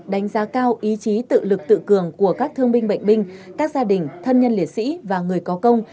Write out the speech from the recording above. đánh giá cao ý chí tự lực tự cường của các thương binh bệnh binh các gia đình thân nhân liệt sĩ và người có công